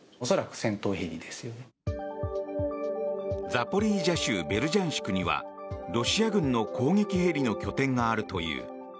ザポリージャ州ベルジャンシクにはロシア軍の攻撃ヘリの拠点があるという。